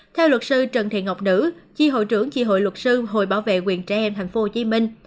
theo luật sư trần thiện ngọc nữ chi hội trưởng chi hội luật sư hội bảo vệ quyền trẻ em tp hcm